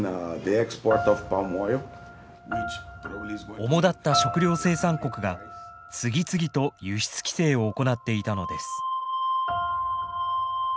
おもだった食料生産国が次々と輸出規制を行っていたのです。